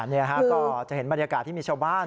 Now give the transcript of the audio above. นี่ก็จะเห็นบรรยากาศที่มีชาวบ้าน